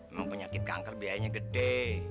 emang penyakit kanker biayanya gede